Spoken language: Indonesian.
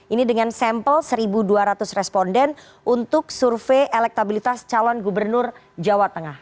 ini dengan sampel satu dua ratus responden untuk survei elektabilitas calon gubernur jawa tengah